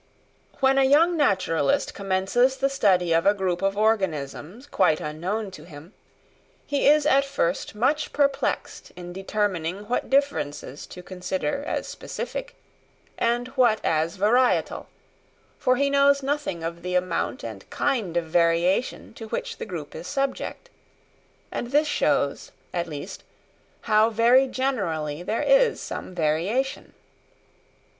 When a young naturalist commences the study of a group of organisms quite unknown to him he is at first much perplexed in determining what differences to consider as specific and what as varietal; for he knows nothing of the amount and kind of variation to which the group is subject; and this shows, at least, how very generally there is some variation.